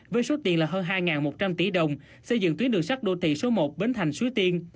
với số tiền hơn hai một trăm linh tỷ đồng xây dựng tuyến đường sắt đô tỷ số một bến thành xuế tiên